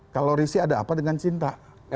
kalau rizky ada apa dengan cinta